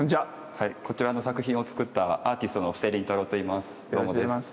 こちらの作品を作ったアーティストの布施琳太郎といいます。